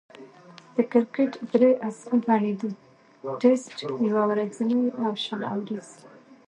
د کرکټ درې اصلي بڼې دي: ټېسټ، يو ورځنۍ، او شل اووريز.